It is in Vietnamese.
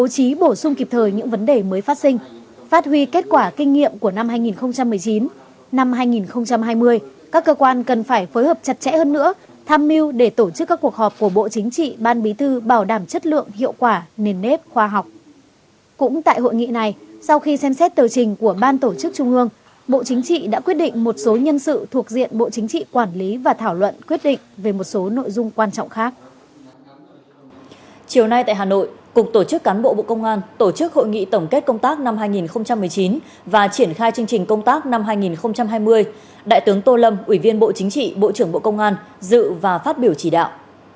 chiều nay tại hà nội cục tổ chức cán bộ bộ công an tổ chức hội nghị tổng kết công tác năm hai nghìn một mươi chín và triển khai chương trình công tác năm hai nghìn hai mươi đại tướng tô lâm ủy viên bộ chính trị bộ trưởng bộ công an dự và phát biểu chỉ đạo